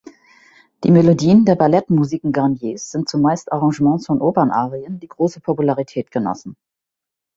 Die Melodien der Ballettmusiken Garniers sind zumeist Arrangements von Opernarien, die große Popularität genossen.